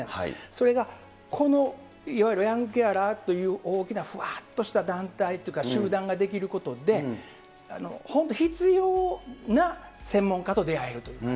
それがこのいわゆるヤングケアラーという大きなふわっとした団体というか、集団が出来ることで、本当必要な専門家と出会えるという。